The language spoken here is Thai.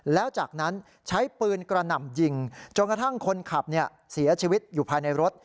แล้วจากนั้นใช้ปืนกระหน่ำยิงจนกระทั่งคนขับเสียชีวิตอยู่ภายในรถ